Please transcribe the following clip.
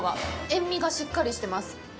塩味がしっかりしてます。